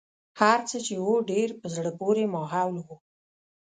هرڅه چې و ډېر په زړه پورې ماحول و.